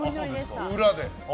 裏で。